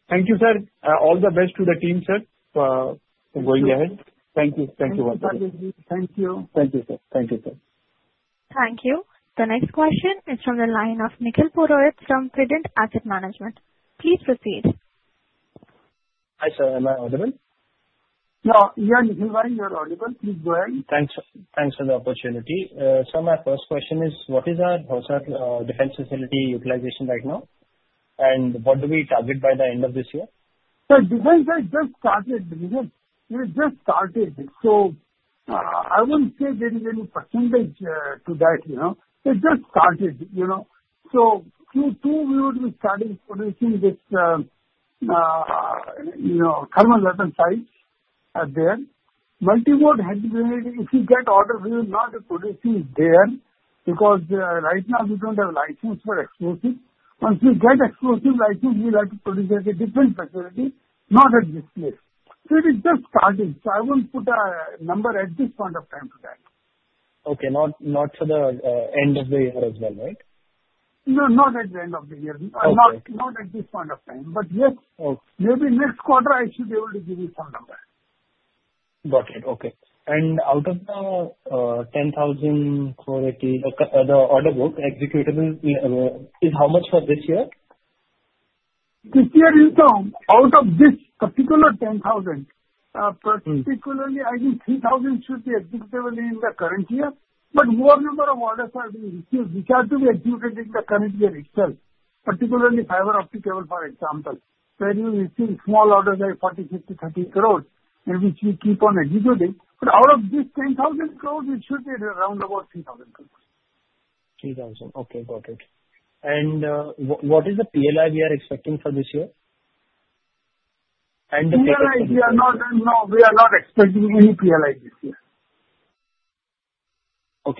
thank you, sir. All the best to the team, sir, going ahead. Thank you. Thank you. Thank you. Thank you, sir. Thank you, sir. Thank you. The next question is from the line of Nikhil Purohit from Fident Asset Management. Please proceed. Hi sir. Am I audible? You're audible. Please go ahead. Thanks. Thanks for the opportunity. My first question is, what is our defense facility utilization right now? What do we target by the end of this year? You just started, so I wouldn't say there is any % to that, you know, it just started, you know, so Q1 we would be starting producing this, you know, thermal weapon sights are there. Multi mode had to be made. If you get order, we will not produce it there because right now we don't have license for exclusive. Once you get exclusive, like you will have to produce at a different facility, not existing. It is just charging. I won't put a number at this point of time to that. Okay, not for the end of the year as well, right? No, not at the end of the year, not at this point of time. Yes, in this quarter I should be able to give you some number. Got it. Okay. Out of the 10,000 crore executable in, how much for this year? This year in term, out of this particular 10,000 crore particularly I think 3,000 crore should be executable in the current year. More number of orders are being issued which has to be executed in the current year itself, particularly optical fiber cables, for example, where you see small orders like 40 crore, 50 crore, 30 crore and which we keep on executing. Out of this 10,000 crore, it should be around about 3,000 crore. 3,000 crore. Okay, got it. What is the PLI we are expecting for this year? We are not expecting any PLI. I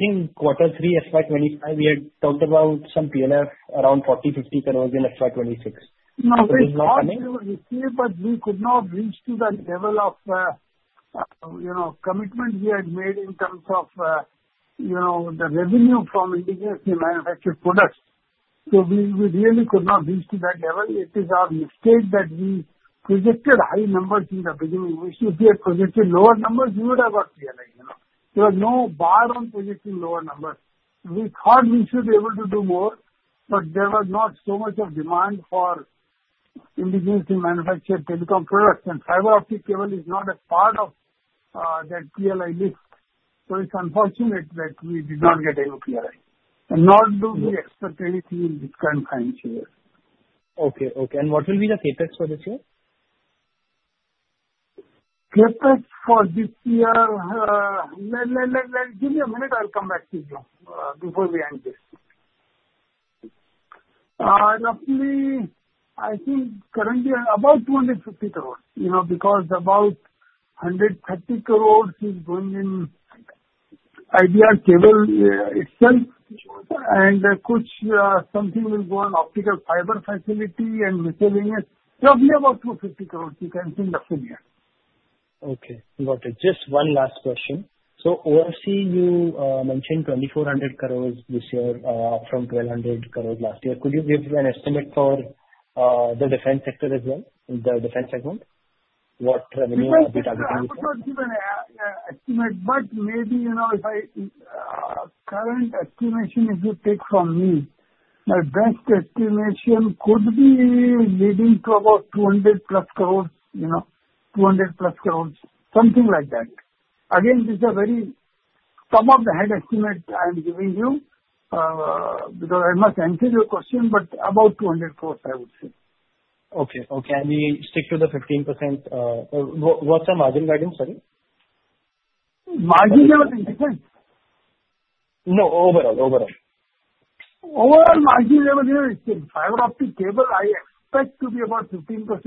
think Q3 FY 2025 we had talked about some PLI around 40 crore, 50 crore in FY26, but we could not reach to that level of, you know, commitment we had made in terms of, you know, the revenue from indigenously manufactured products. We really could not reach to that level. It is a stage that we resisted high number in the beginning, we should be projected lower numbers. You would have got realized, you know, there no bar on projection, lower number we thought we should be able to do more but there was not so much of demand for indigenous manufactured income products and I is not a part of that PLI list. It is unfortunate that we did not get any PLI and nor do we expect anything in this confines here. Okay. Okay. What will be the CapEx for this year? For this year. Give me a minute, I'll come back to you before we end this. Roughly I think currently about 250 crore. You know because about 130 crores going in IBR cable itself and something will go on optical fiber facility and probably about 250 crores in the full year. Okay, got it. Just one last question. You mentioned 2,400 crores this year from 1,200 crores last year. Could you give an estimate for the defense sector as well in the defense segment? What revenue. Maybe if my current estimation, if you pick from me, my best estimation could be leading to about 200+ crores. You know, 200+ crores, something like that. These are very much some of the head estimate I've given you because I must answer your question. About 200 I would say. Okay, okay, we stick to the 15. What's the margin guidance for you? Margin? No, overall. Overall. Overall margin level here, it's in optical fiber cable I expect to be about 15%.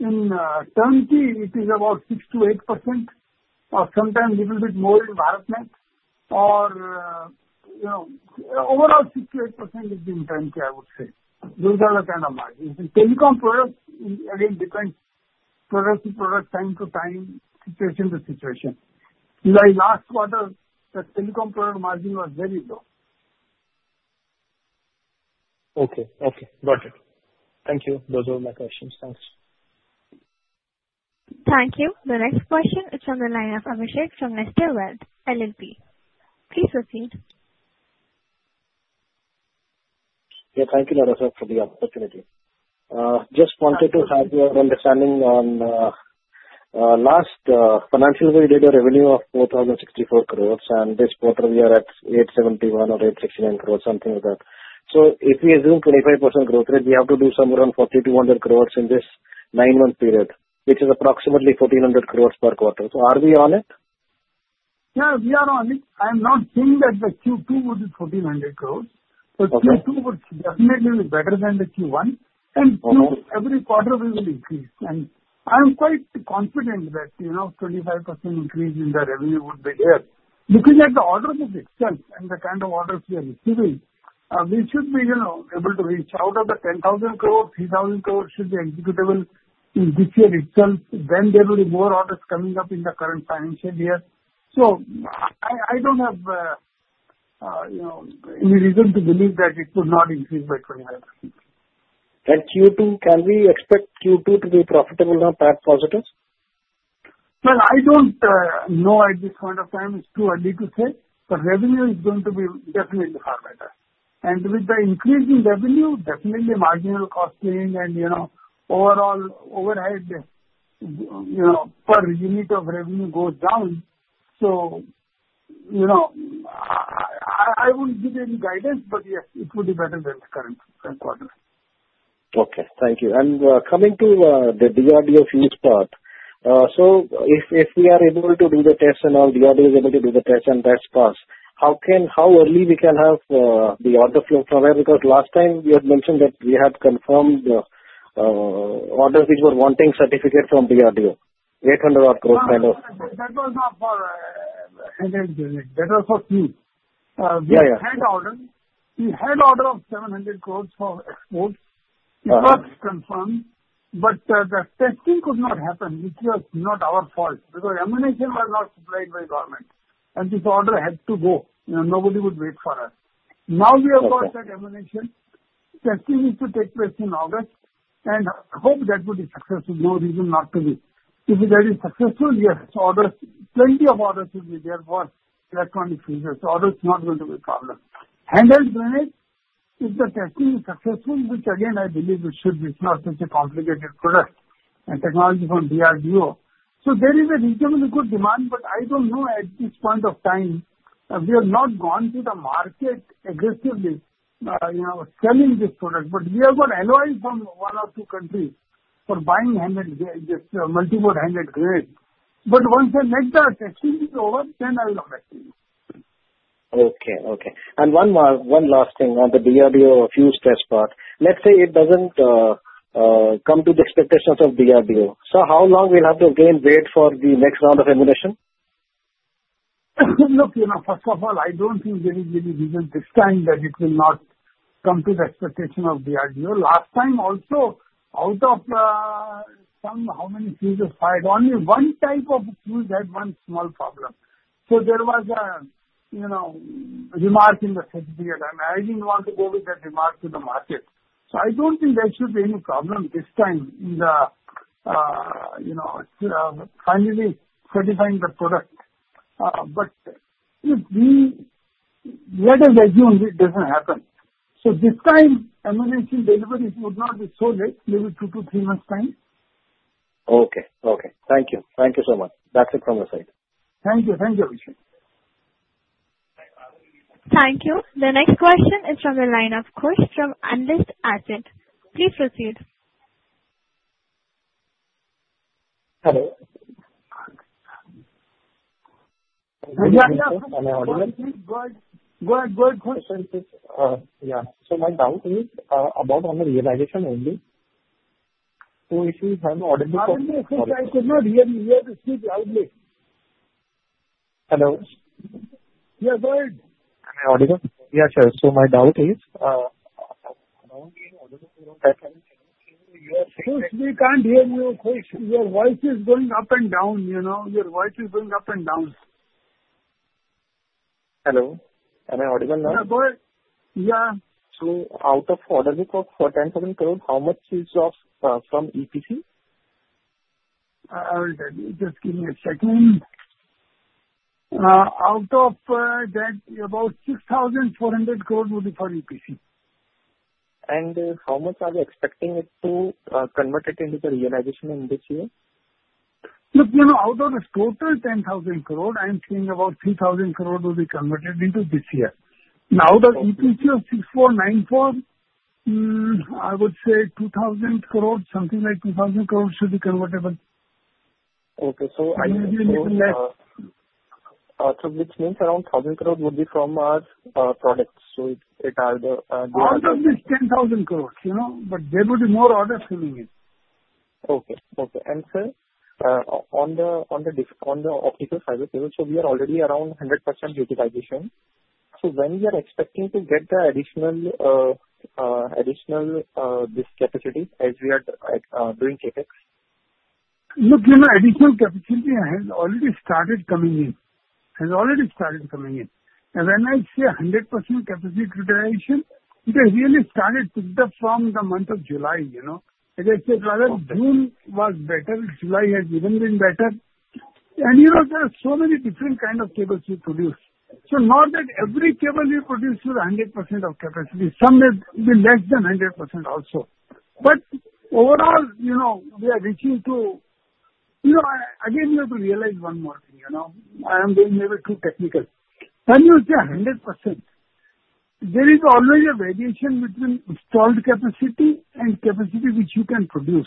In turnkey it is about 6% to 8% or sometime little bit more environment or you know overall 6% to 8% is the intensity. I would say those are the kind of margins, different product, product time to time, situation to situation. Like last quarter the C margin was very low. Okay, okay, got it. Thank you. Those were my questions. Thanks. Thank you. The next question is from the line of Abhishek from Neste Wealth LLP. Please proceed. Yeah, thank you for the opportunity. Just wanted to have your understanding. On last financial we did a revenue of 4,064 crore and this quarter we are at 871 or 869 crore, something like that. If we assume 25% growth rate, we have to do around 4,200 crore in this nine month period, which is approximately 1,400 crore per quarter. Are we on it? Yeah, we are on it. I am not saying that the Q2 which is 1,400 crore, but Q2 would definitely be better than the Q1 and every quarter will be increased and I'm quite confident that 25% increase in the revenue would be here. Looking at the orders of itself and the kind of orders we have achieved, we should be able to reach out of the 10,000 crore, 3,000 crore should be executable this year itself when there will be more orders coming up in the current financial year. I don't have any reason to believe that it could not increase by 25% In Q2. Can we expect Q2 to be profitable or EBITDA positive? At this point of time it's too early to say, but revenue is going to be definitely far better. With the increase in revenue, definitely marginal costing and overall overnight per unit of revenue goes down. I will give any guidance but yeah, it would depend on the current quarter. Okay, thank you. Coming to the DRDO feed part. If we are able to be the test and all the audio is able to be the test and best cost, how early can we have the order flow provide? Because last time you had mentioned that we had confirmed orders which were wanting certificate from DRDO He had order of 700 crore for export. It was confirmed but the testing could not happen. It was not our fault because ammunition was not supplied by government and this order had to go and nobody would wait for us. Now you have got that ammunition testing is to take place in August and hope that would be successful. No reason not to be if it is successful here. There is plenty of orders will be there for electronic features although it's not going to be a problem. If the taxi is successful, which again I believe we should dispose such a complicated product and technology from DRDO. There is a reasonably good demand. I don't know at this point of time, we have not gone to the market aggressively selling this product. We have got alloys from one or two countries for buying multiple handed grade. Once the testing is over, then I will. Okay, okay. One more, one last thing on the DRDO, a few stress part. Let's say it doesn't come to the expectations of DRDO. How long will we have to wait for the next round of evaluation? First of all, I don't think there is any reason this time that it will not come to the expectation of DRDO. Last time also, out of some, how many cases fired, only one type had one small problem. There was a remark in the margin. We don't want to go with that remark to the market. I don't think there should be any problem this time in finally certifying the product. If it doesn't happen, this time emergency deliveries would not be sold yet. Two to three months' time. Okay. Okay, thank you. Thank you so much. That's it from the side. Thank you. Thank you. Thank you. The next question is from the line of course from [Anders Asante]. Please proceed. Hello. Hello. Yeah, right. Am I audible? Yeah, sure. So my doubt is We can't hear you. Your voice is going up and down. You know, your voice is going up and down. Hello, am I audible now? Yeah. So out of order report for 10,000 crore, how much is from EPC? And just give me a check in out of that. About 6,400 crore will be for EPC. And how much are you expecting to convert into the realization in this year? Look, you know, out of this total 10,000 crore, I am seeing about 3,000 crore will be converted into this year. Now the EPC of 6,494 crore, I would say 2,008 crore, something like the 100 crore should be convertible. Okay, so which means around 1,000 crore would be from our products. So it Are 10,000 crore, you know, but there would be more order filling it. Okay, okay. And sir, on the, on the, on the optical fiber cable. So we are already around 100% utilization. When are we expecting to get the additional, additional this capacity as we are doing Look, you know, additional capacity has already started coming in. Has already started coming in. When I say 100% capacity utilization, it has really started picked up from the month of July. You know, as I said, was better. July has even been better. You know, there are so many different kind of cables we produce. Not that every cable you produce is 100% of capacity, somewhere be less than 100% also. Overall, you know, we are reaching to. You know, again, you have to realize one more thing. You know, I am being never too technical. Can you say 100%? There is always a variation between installed capacity and capacity which you can produce.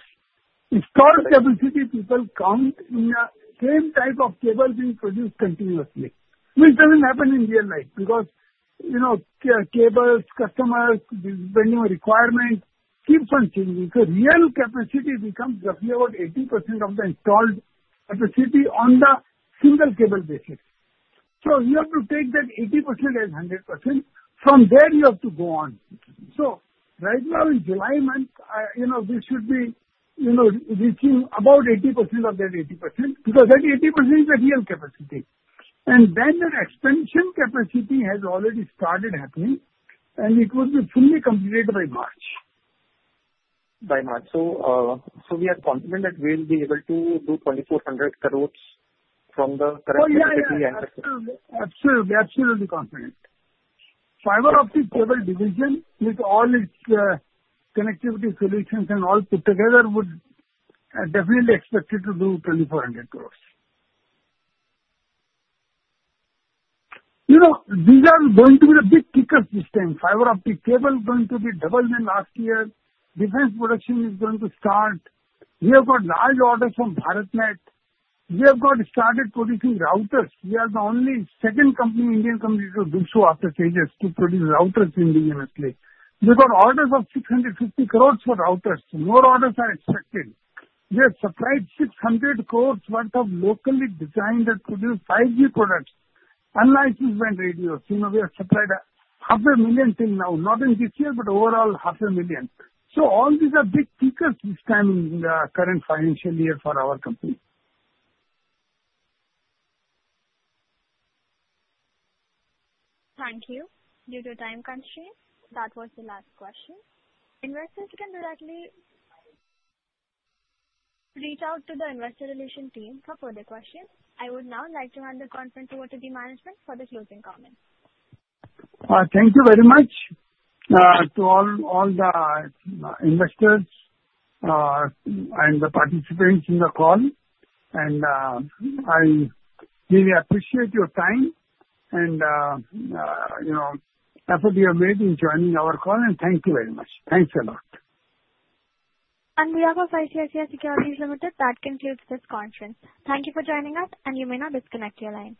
Installed capacity, people come in, a same type of cable being produced continuously, which doesn't happen in real life because, you know, cables, customers, venue requirement keep functioning. The real capacity becomes about 80% of the installed capacity on the single cable basic. You have to take that 80% and 100% from where you have to go on. Right now in July month, you know, we should be, you know, receive about 80 of that 80% because that 80% is a real capacity thing. The expansion capacity has already started happening and it will be fully completed by March. So we are confident that we'll be able to do 2,400 crore from the correct? Absolutely, absolutely confident. Fiber optic cable division with all its connectivity solutions and all put together would definitely expected to do 2,400 crore. You know, these are going to be a big kicker system. Fiber optic cable going to be doubled in last year. Defense production is going to start. We have got large orders from Bharat Sanchar Nigam Limited. We have got started producing MPLS routers. We are the only second Indian company to do so after phases to produce routers indigenously. We got orders of 650 crore for routers. More orders are expected. You have supplied 600 crore worth of locally designed to produce 5G products unlicense radio. You know we have se half a million thing now not in this year but overall half a million. All these are big pickers this time in the current financial year for our company. Thank you. Due to time constraint, that was the last question. Investors can directly reach out to the Investor Relations team for further questions. I would now like to hand the conference over to the management for the closing comments. Thank you very much to all the investors and the participants on the call. I really appreciate your time and effort. You're amazing joining our call and thank you very much. Thanks alot On behalf of ICICI Securities Limited. That concludes this conference. Thank you for joining us and you may now disconnect your line.